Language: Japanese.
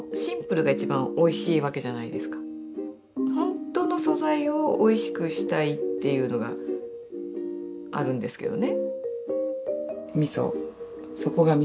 本当の素材をおいしくしたいっていうのがあるんですけどね。